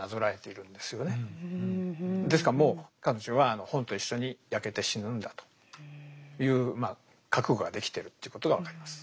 ですからもう彼女は本と一緒に焼けて死ぬんだというまあ覚悟ができてるということが分かります。